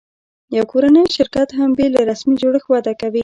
یو کورنی شرکت هم بېله رسمي جوړښت وده کوي.